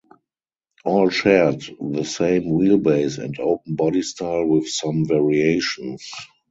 All shared the same wheelbase and open body style with some variations.